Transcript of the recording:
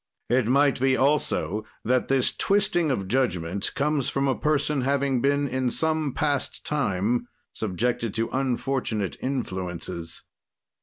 It might be, also, that this twisting of judgment comes from a person having been, in some past time, subjected to unfortunate influences.